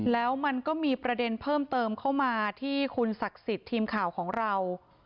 แล้วมันก็มีประเด็นเพิ่มเติมเข้ามาที่คุณศักดิ์สิทธิ์ทีมข่าวของเรา